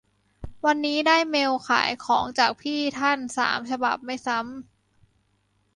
วันนี้ได้เมลขายของจากพี่ท่านสามฉบับไม่ซ้ำ